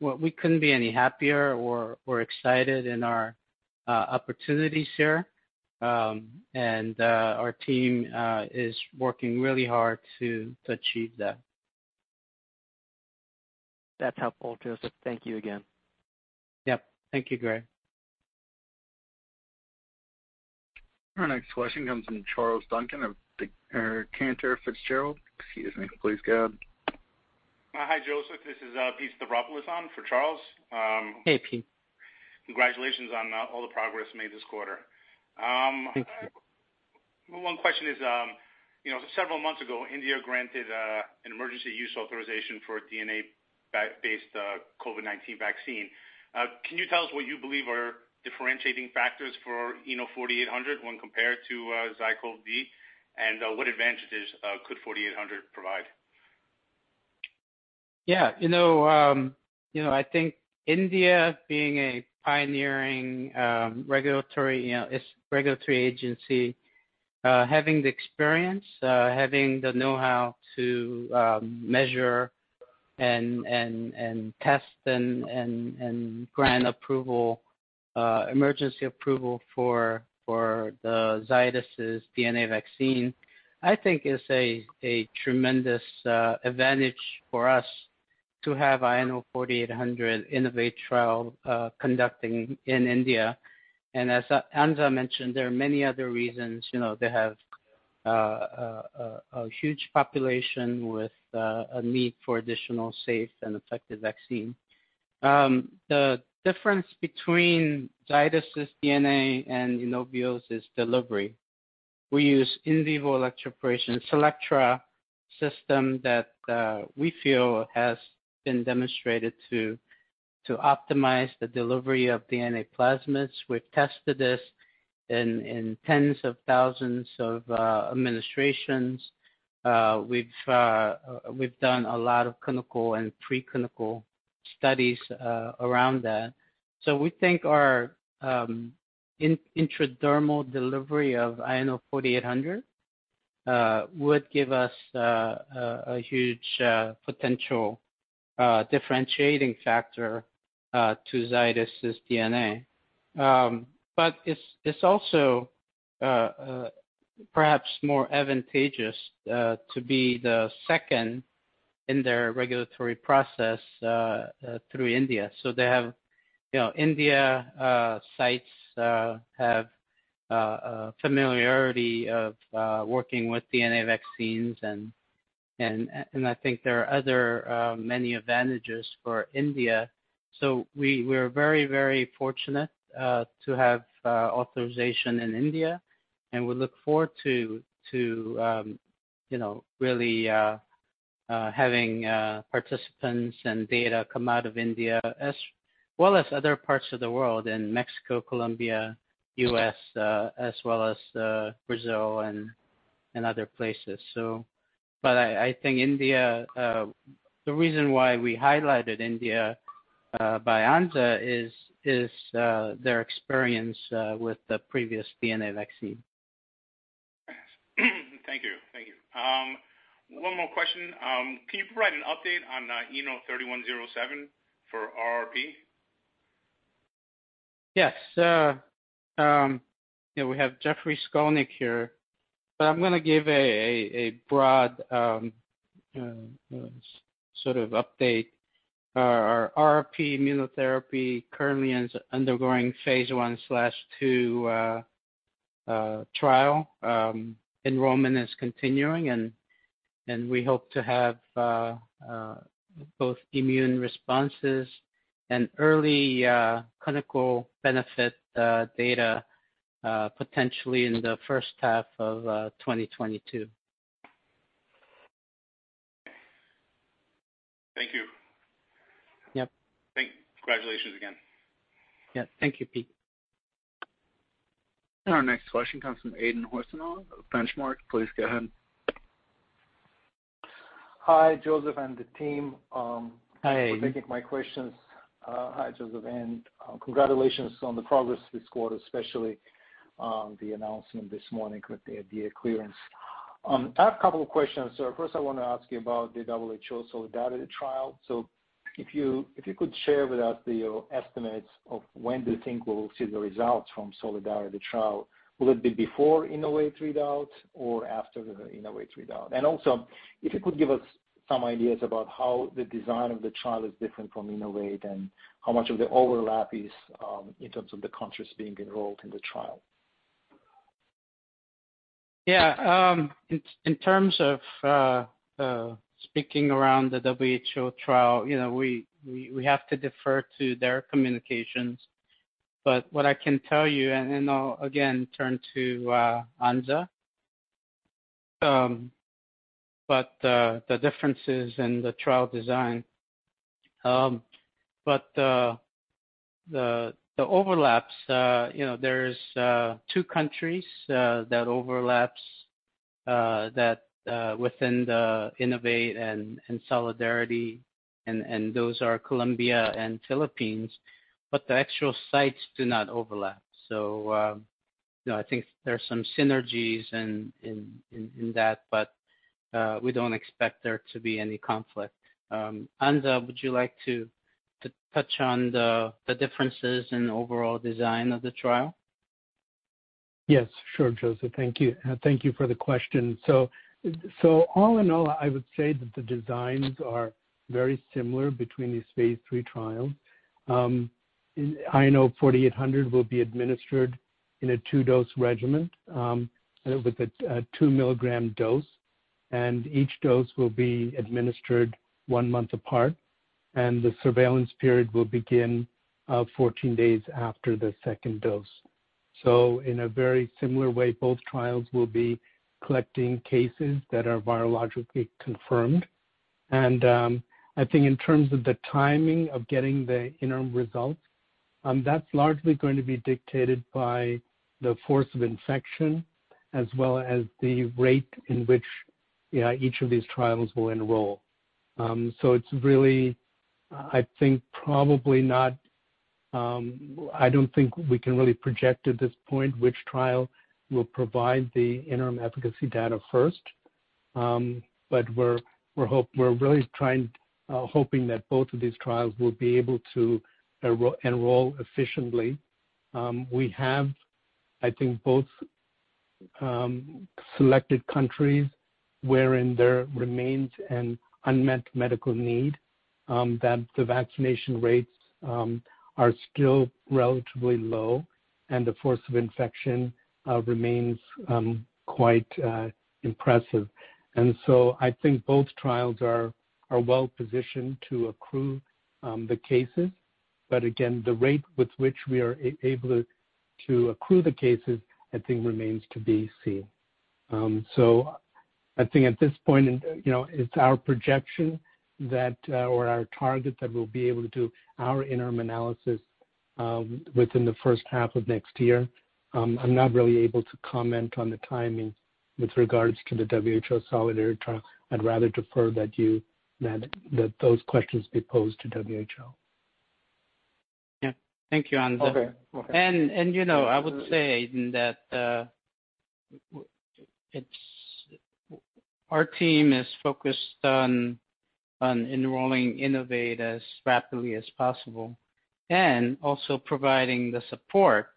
We couldn't be any happier or excited in our opportunities here, and our team is working really hard to achieve that. That's helpful, Joseph. Thank you again. Yep. Thank you, Greg. Our next question comes from Charles Duncan of Cantor Fitzgerald. Excuse me. Please go ahead. Hi, Joseph. This is Pete Stavropoulos on for Charles. Hey, Pete. Congratulations on all the progress made this quarter. Thank you. One question is, you know, several months ago, India granted an emergency use authorization for a DNA-based COVID-19 vaccine. Can you tell us what you believe are differentiating factors for INO-4800 when compared to ZyCoV-D? What advantages could 4800 provide? Yeah. You know, I think India being a pioneering regulatory, you know, its regulatory agency having the experience, having the know-how to measure and test and grant approval, emergency approval for the Zydus' DNA vaccine, I think is a tremendous advantage for us to have INO-4800 INNOVATE trial conducting in India. As Anza mentioned, there are many other reasons. You know, they have a huge population with a need for additional safe and effective vaccine. The difference between Zydus' DNA and INOVIO's is delivery. We use in vivo electroporation, CELLECTRA system that we feel has been demonstrated to optimize the delivery of DNA plasmids. We've tested this in tens of thousands of administrations. We've done a lot of clinical and preclinical studies around that. We think our intradermal delivery of INO-4800 would give us a huge potential differentiating factor to Zydus' DNA. It's also perhaps more advantageous to be the second in their regulatory process through India. They have, you know, Indian sites have a familiarity of working with DNA vaccines and I think there are many other advantages for India. We're very fortunate to have authorization in India, and we look forward to you know, really having participants and data come out of India as well as other parts of the world, in Mexico, Colombia, U.S., as well as Brazil and other places. I think India, the reason why we highlighted India by Anza, is their experience with the previous DNA vaccine. Thank you. One more question. Can you provide an update on INO-3107 for RRP? Yes. We have Jeffrey Skolnik here, but I'm gonna give a broad sort of update. Our RRP immunotherapy currently is undergoing phase I/II trial. Enrollment is continuing and we hope to have both immune responses and early clinical benefit data potentially in the first half of 2022. Thank you. Yep. Congratulations again. Yeah. Thank you, Pete. Our next question comes from Aydin Huseynov of Benchmark. Please go ahead. Hi, Joseph and the team. Hi. Thank you for taking my questions. Hi, Joseph, and congratulations on the progress this quarter, especially the announcement this morning with the FDA clearance. I have a couple of questions. First, I wanna ask you about the WHO Solidarity Trial. If you could share with us the estimates of when do you think we'll see the results from Solidarity Trial? Will it be before INNOVATE readouts or after the INNOVATE readout? And also, if you could give us some ideas about how the design of the trial is different from INNOVATE and how much of the overlap is in terms of the countries being enrolled in the trial. Yeah. In terms of speaking around the WHO trial, you know, we have to defer to their communications. What I can tell you, and I'll again turn to Anza, but the differences in the trial design, but the overlaps, you know, there's two countries that overlaps that within the INNOVATE and Solidarity, and those are Colombia and Philippines, but the actual sites do not overlap. You know, I think there's some synergies in that, but we don't expect there to be any conflict. Anza, would you like to touch on the differences in overall design of the trial? Yes, sure, Joseph. Thank you. Thank you for the question. All in all, I would say that the designs are very similar between these phase III trials. INO-4800 will be administered in a two-dose regimen, with a 2-milligram dose, and each dose will be administered 1 month apart, and the surveillance period will begin 14 days after the second dose. In a very similar way, both trials will be collecting cases that are virologically confirmed. I think in terms of the timing of getting the interim results, that's largely going to be dictated by the force of infection as well as the rate in which each of these trials will enroll. It's really, I think probably not. I don't think we can really project at this point which trial will provide the interim efficacy data first. We're really trying, hoping that both of these trials will be able to enroll efficiently. We have, I think, both selected countries wherein there remains an unmet medical need that the vaccination rates are still relatively low, and the force of infection remains quite impressive. I think both trials are well positioned to accrue the cases. Again, the rate with which we are able to accrue the cases, I think remains to be seen. I think at this point, you know, it's our projection that or our target that we'll be able to do our interim analysis within the first half of next year. I'm not really able to comment on the timing with regards to the WHO Solidarity Trial. I'd rather defer that those questions be posed to WHO. Yeah. Thank you. Okay. Okay. You know, I would say that our team is focused on enrolling INNOVATE as rapidly as possible and also providing support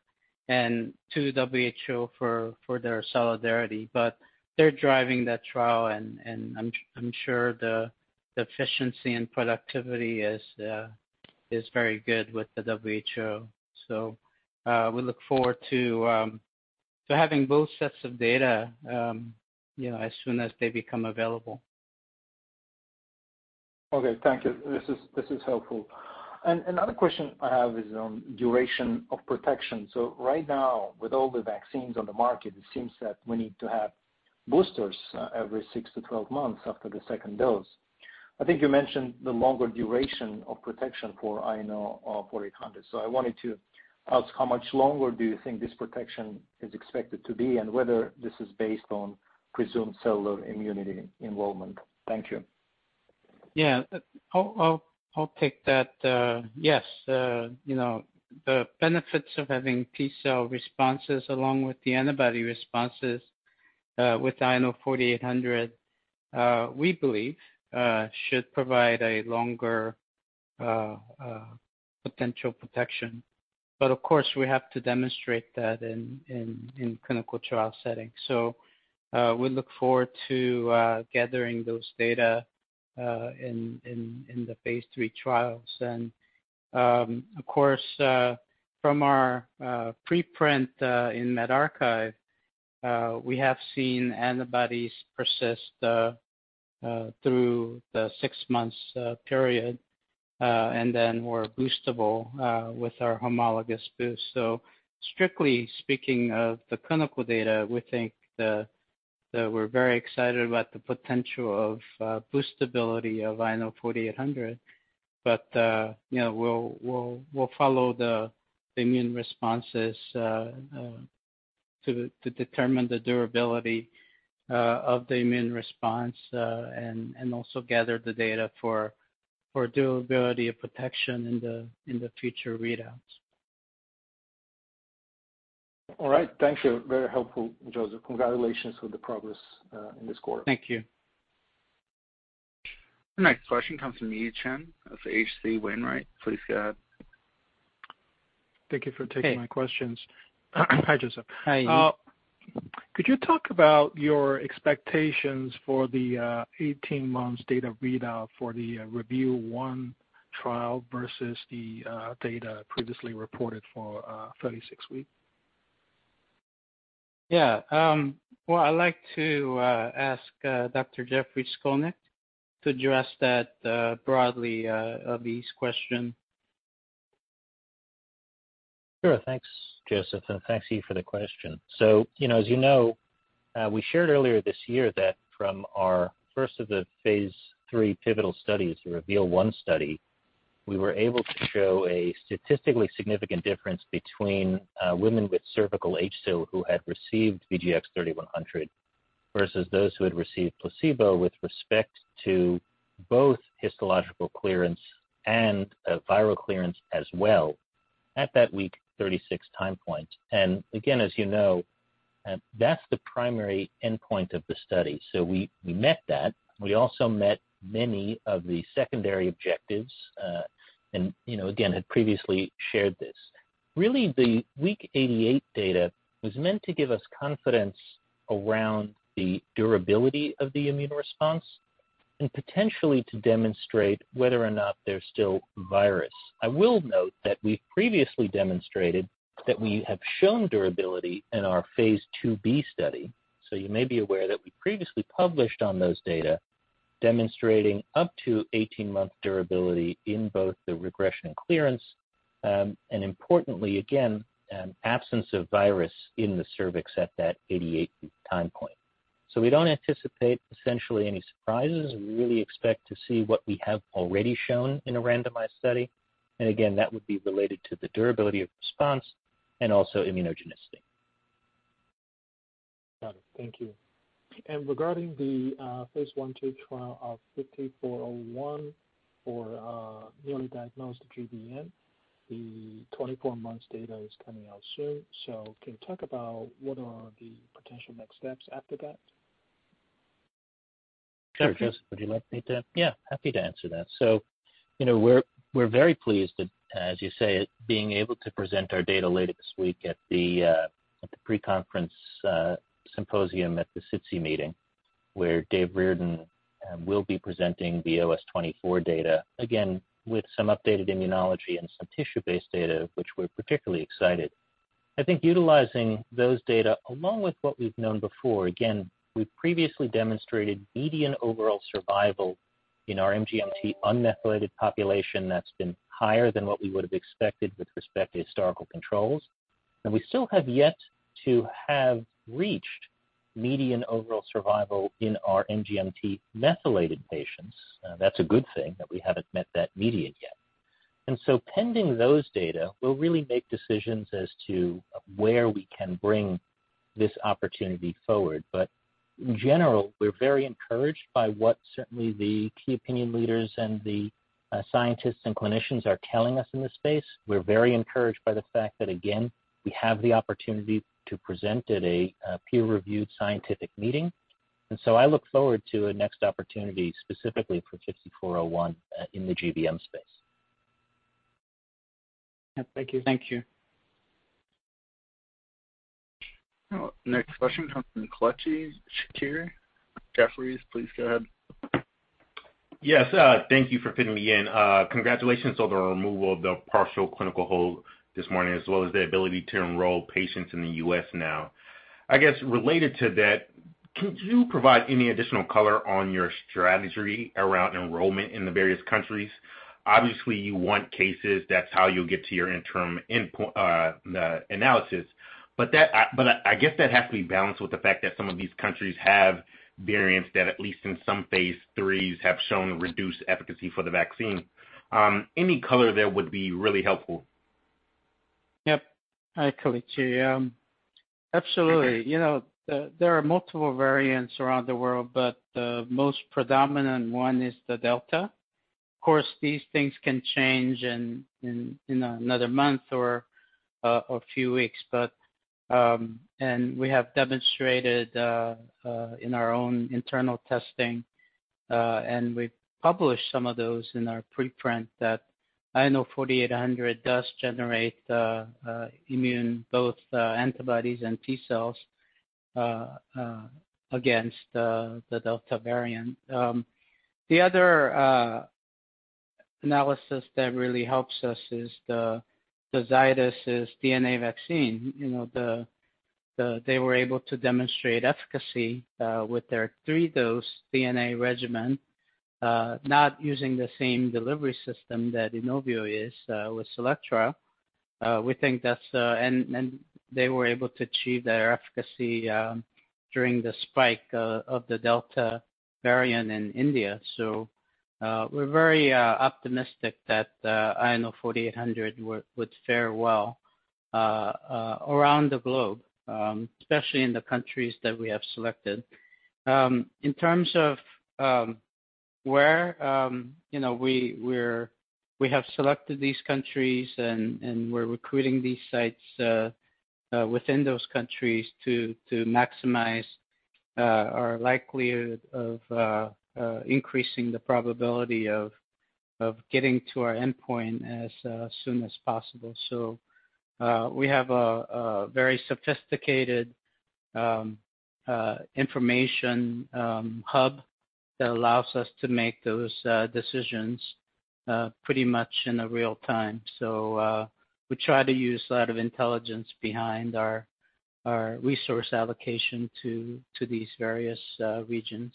to WHO for their Solidarity. They're driving that trial and I'm sure the efficiency and productivity is very good with the WHO. We look forward to having both sets of data, you know, as soon as they become available. Okay. Thank you. This is helpful. Another question I have is on duration of protection. Right now, with all the vaccines on the market, it seems that we need to have boosters every 6 months to 12 months after the second dose. I think you mentioned the longer duration of protection for INO-4800. I wanted to ask, how much longer do you think this protection is expected to be and whether this is based on presumed cellular immunity enrollment? Thank you. Yeah. I'll take that. Yes, you know, the benefits of having T-cell responses along with the antibody responses with INO-4800 we believe should provide a longer potential protection. Of course, we have to demonstrate that in clinical trial settings. We look forward to gathering those data in the phase III trials. Of course, from our preprint in medRxiv, we have seen antibodies persist through the six-month period and then were boostable with our homologous boost. Strictly speaking of the clinical data, we think the We're very excited about the potential of boostability of INO-4800, but you know, we'll follow the immune responses to determine the durability of the immune response, and also gather the data for durability of protection in the future readouts. All right. Thank you. Very helpful, Joseph. Congratulations with the progress in this quarter. Thank you. The next question comes from Yi Chen of H.C. Wainwright. Please go ahead. Thank you for taking my questions. Hey. Hi, Joseph. Hi, Yi. Could you talk about your expectations for the 18 months data readout for the REVEAL 1 trial versus the data previously reported for 36 weeks? Well, I'd like to ask Dr. Jeffrey Skolnik to address that broadly, one of these questions. Sure. Thanks, Joseph, and thanks, Yi, for the question. You know, as you know, we shared earlier this year that from our first of the phase III pivotal studies, the REVEAL 1 study, we were able to show a statistically significant difference between women with cervical HSIL who had received VGX-3100 versus those who had received placebo with respect to both histological clearance and viral clearance as well at that week 36 time point. Again, as you know, that's the primary endpoint of the study. We met that. We also met many of the secondary objectives, and you know, again, had previously shared this. Really, the week 88 data was meant to give us confidence around the durability of the immune response and potentially to demonstrate whether or not there's still virus. I will note that we've previously demonstrated that we have shown durability in our phase II-b study. You may be aware that we previously published on those data, demonstrating up to 18-month durability in both the regression and clearance, and importantly again, an absence of virus in the cervix at that 88-week time point. We don't anticipate essentially any surprises. We really expect to see what we have already shown in a randomized study, and again, that would be related to the durability of response and also immunogenicity. Got it. Thank you. Regarding the phase I/II trial of INO-5401 for newly diagnosed GBM, the 24-month data is coming out soon. Can you talk about what are the potential next steps after that? Sure. Yeah, happy to answer that. You know, we're very pleased that, as you say, being able to present our data later this week at the pre-conference symposium at the SITC meeting where David Reardon will be presenting the OS-24 data, again, with some updated immunology and some tissue-based data which we're particularly excited. I think utilizing those data along with what we've known before, again, we've previously demonstrated median overall survival in our MGMT unmethylated population that's been higher than what we would have expected with respect to historical controls. We still have yet to have reached median overall survival in our MGMT methylated patients. That's a good thing that we haven't met that median yet. Pending those data, we'll really make decisions as to where we can bring this opportunity forward. In general, we're very encouraged by what certainly the key opinion leaders and the scientists and clinicians are telling us in this space. We're very encouraged by the fact that, again, we have the opportunity to present at a peer-reviewed scientific meeting. I look forward to a next opportunity specifically for INO-5401 in the GBM space. Yeah. Thank you. Thank you. Next question comes from Kelechi Chikere, Jefferies. Please go ahead. Yes, thank you for fitting me in. Congratulations on the removal of the partial clinical hold this morning, as well as the ability to enroll patients in the U.S. now. I guess related to that, could you provide any additional color on your strategy around enrollment in the various countries? Obviously, you want cases, that's how you'll get to your interim analysis. But I guess that has to be balanced with the fact that some of these countries have variants that, at least in some phase IIIs, have shown reduced efficacy for the vaccine. Any color there would be really helpful. Yep. Hi, Kelechi. Absolutely. You know, there are multiple variants around the world, but the most predominant one is the Delta. Of course, these things can change in another month or few weeks. We have demonstrated in our own internal testing, and we've published some of those in our preprint that INO-4800 does generate the immune, both antibodies and T cells against the Delta variant. The other analysis that really helps us is the Zydus' DNA vaccine. You know, they were able to demonstrate efficacy with their three-dose DNA regimen, not using the same delivery system that INOVIO is with CELLECTRA. We think that's the... They were able to achieve their efficacy during the spike of the Delta variant in India. We're very optimistic that INO-4800 would fare well around the globe, especially in the countries that we have selected. In terms of where, you know, we have selected these countries and we're recruiting these sites within those countries to maximize our likelihood of increasing the probability of getting to our endpoint as soon as possible. We have a very sophisticated information hub that allows us to make those decisions pretty much in real time. We try to use a lot of intelligence behind our resource allocation to these various regions.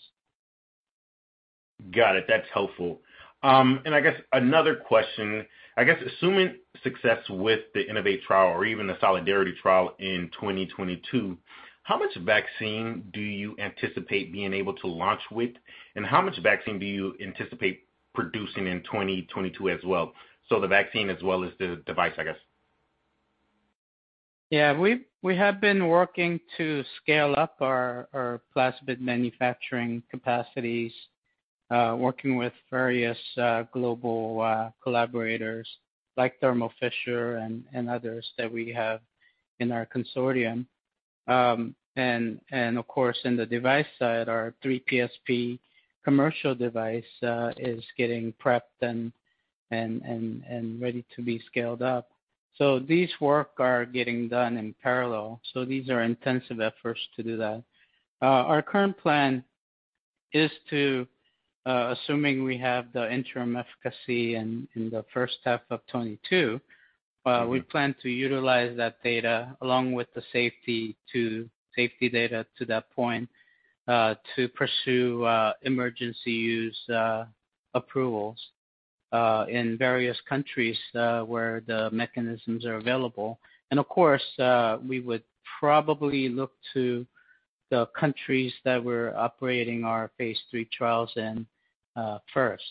Got it. That's helpful. I guess another question. I guess assuming success with the INNOVATE trial or even the Solidarity trial in 2022, how much vaccine do you anticipate being able to launch with, and how much vaccine do you anticipate producing in 2022 as well? The vaccine as well as the device, I guess. We have been working to scale up our plasmid manufacturing capacities, working with various global collaborators like Thermo Fisher and others that we have in our consortium. Of course, in the device side, our 3PSP commercial device is getting prepped and ready to be scaled up. These works are getting done in parallel. These are intensive efforts to do that. Our current plan is to assuming we have the interim efficacy in the first half of 2022, we plan to utilize that data along with the safety data to that point to pursue emergency use approvals in various countries where the mechanisms are available. Of course, we would probably look to the countries that we're operating our phase III trials in first.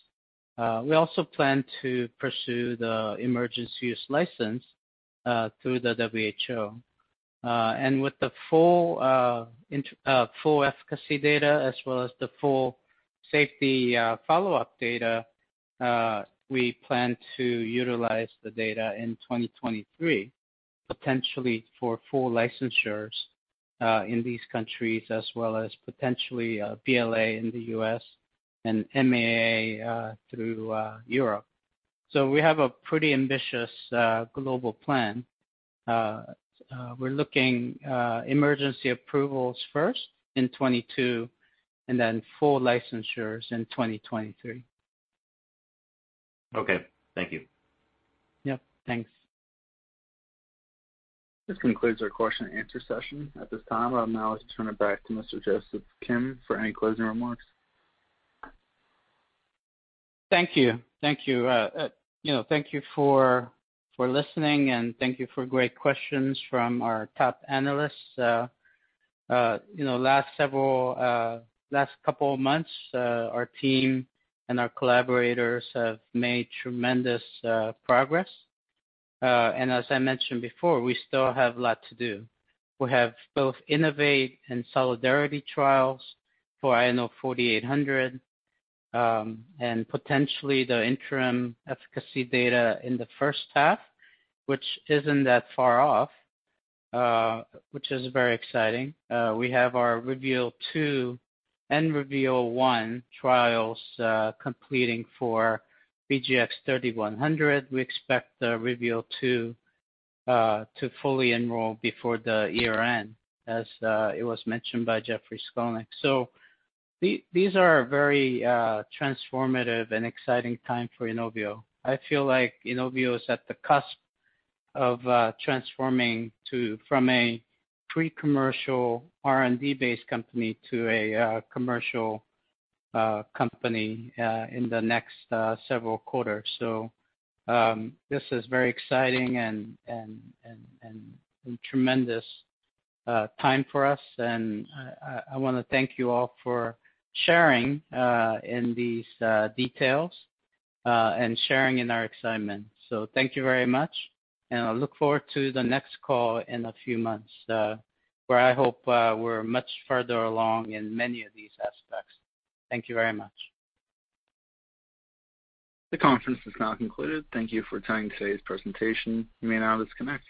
We also plan to pursue the emergency use license through the WHO. With the full efficacy data as well as the full safety follow-up data, we plan to utilize the data in 2023, potentially for full licensures in these countries, as well as potentially a BLA in the U.S. and MAA through Europe. We have a pretty ambitious global plan. We're looking emergency approvals first in 2022 and then full licensures in 2023. Okay. Thank you. Yeah, thanks. This concludes our question and answer session. At this time, I would now like to turn it back to Mr. Joseph Kim for any closing remarks. Thank you. You know, thank you for listening, and thank you for great questions from our top analysts. You know, last couple of months, our team and our collaborators have made tremendous progress. As I mentioned before, we still have a lot to do. We have both INNOVATE and Solidarity Trials for INO-4800, and potentially the interim efficacy data in the first half, which isn't that far off, which is very exciting. We have our REVEAL 2 and REVEAL 1 trials completing for VGX-3100. We expect the REVEAL 2 to fully enroll before the year end, as it was mentioned by Jeffrey Skolnik. These are very transformative and exciting time for INOVIO. I feel like INOVIO is at the cusp of transforming from a pre-commercial R&D-based company to a commercial company in the next several quarters. This is very exciting and tremendous time for us. I wanna thank you all for sharing in these details and sharing in our excitement. Thank you very much, and I look forward to the next call in a few months, where I hope we're much further along in many of these aspects. Thank you very much. The conference is now concluded. Thank you for attending today's presentation. You may now disconnect.